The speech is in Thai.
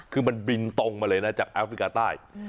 คือมันบินตรงมาเลยนะจากแอฟริกาใต้